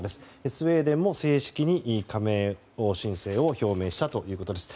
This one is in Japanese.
スウェーデンも正式に加盟申請を表明したということです。